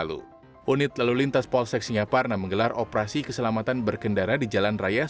lalu unit lalu lintas polsek singaparna menggelar operasi keselamatan berkendara di jalan raya